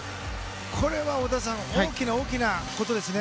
これは大きなことですね。